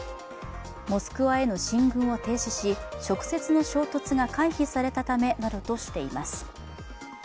モスクワへの進軍を停止し直接の衝突が回避されたためなどとしています。